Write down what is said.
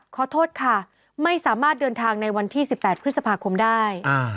ขอโทษค่ะไม่สามารถเดินทางในวันที่๑๘พฤษภาคมได้